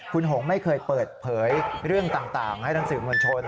คุณหงไม่เคยเปิดเผยเรื่องต่างให้ทั้งสื่อมวลชน